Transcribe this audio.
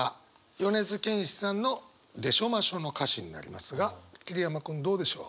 米津玄師さんの「でしょましょ」の歌詞になりますが桐山君どうでしょう？